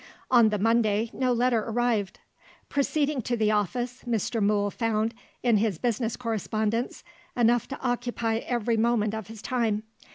On the Monday, no letter arrived. Proceeding to the office, Mr. Mool found, in his business correspondence, enough to occupy every moment of his time.